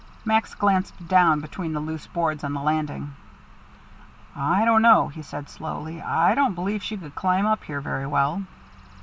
Max glanced down between the loose boards on the landing. "I don't know," he said slowly; "I don't believe she could climb up here very well."